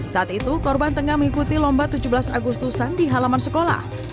saat itu korban tengah mengikuti lomba tujuh belas agustusan di halaman sekolah